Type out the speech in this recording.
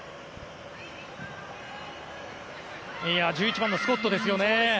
１１番のスコットですよね。